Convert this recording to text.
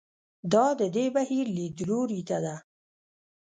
دا د دې بهیر لیدلوري ته ده.